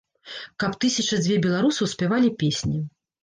Каб тысяча-дзве беларусаў спявалі песні.